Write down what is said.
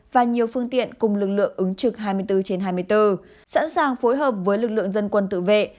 và nhiều phương tiện cùng lực lượng ứng trực hai mươi bốn trên hai mươi bốn sẵn sàng phối hợp với lực lượng dân quân tự vệ